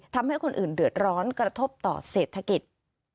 ทำให้คนอื่นเดือดร้อนกระทบต่อเศรษฐกิจ